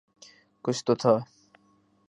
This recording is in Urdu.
کچھ تو تھا۔